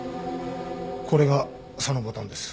これがそのボタンです。